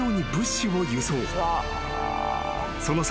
［その際］